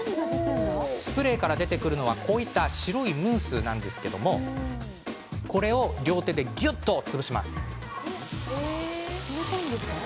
スプレーから出てくるのはこのような白いムースなんですがこれを手でぎゅっと潰します。